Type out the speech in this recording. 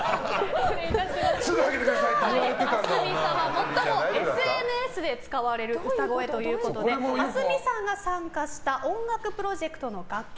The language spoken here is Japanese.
ａｓｍｉさんは、もっともＳＮＳで使われる歌声ということでａｓｍｉさんが参加した音楽プロジェクトの楽曲